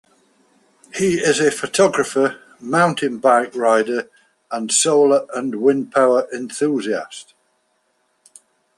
He is a photographer, mountain bike rider, and solar- and wind-power enthusiast.